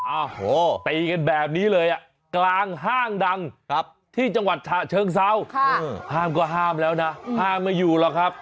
อาโหตีแบบนี้เลยอ่ะกลางห้างดังครับที่จังหวัดทะเชิงเซาพาห้ามก็ห้ามแล้วนะห้ามไปอยู่ละครับ